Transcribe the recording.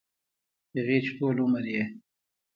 هغـې چـې ټـول عـمر يـې